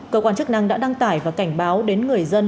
cơ quan chức năng đã đăng tải và cảnh báo đến người dân